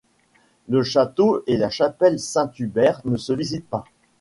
Le château et la chapelle Saint Hubert ne se visitent pas.